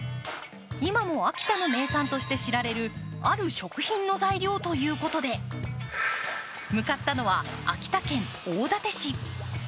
今も秋田の名産として知られるある食品の材料ということで、向かったのは秋田県大館市。